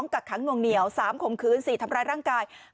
กักขังหน่วงเหนียว๓ข่มขืน๔ทำร้ายร่างกาย